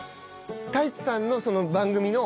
太一さんの番組の。